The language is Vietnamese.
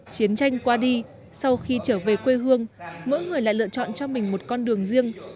chiến tranh qua đi sau khi trở về quê hương mỗi người lại lựa chọn cho mình một con đường riêng